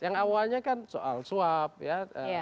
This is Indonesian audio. yang awalnya kan soal suap ya